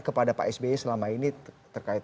kepada pak sby selama ini terkait